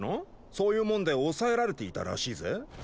そういうもんで抑えられていたらしいぜ。